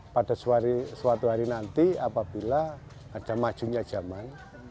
pada suatu hari nanti apabila ada majunya zaman